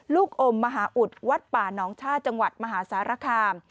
ลูกอมมหาอุทธิ์วัดป่านองค์ชาติจังหวัดมหาศาลคา